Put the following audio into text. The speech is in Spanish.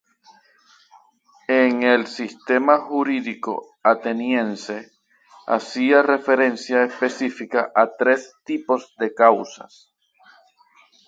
En el Sistema jurídico ateniense, hacía referencia específica a tres tipos de causas.